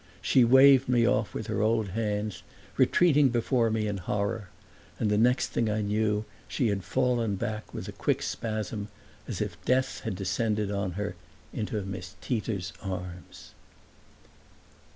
She waved me off with her old hands, retreating before me in horror; and the next thing I knew she had fallen back with a quick spasm, as if death had descended on her, into Miss Tita's arms.